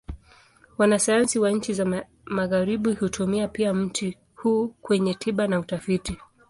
Wanasayansi wa nchi za Magharibi hutumia pia mti huu kwenye tiba na utafiti.